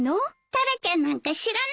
タラちゃんなんか知らない。